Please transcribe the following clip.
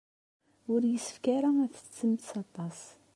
Ur yessefk ara ad tettettemt aṭas.